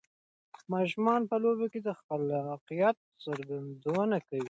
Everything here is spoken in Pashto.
ماشومان په لوبو کې د خلاقیت څرګندونه کوي.